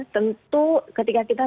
tentu ketika kita berkumpul